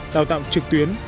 đào tạo trực tuyến